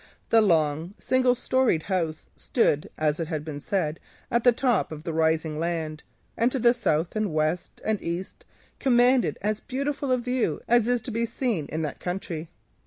The long, single storied house stood, it has been said, at the top of the rising land, and to the south and west and east commanded as beautiful a view as is to be seen in the county.